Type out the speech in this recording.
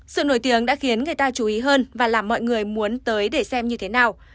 sự nổi tiếng đã khiến người ta chú ý hơn và là mọi người muốn tới để xem như thế nào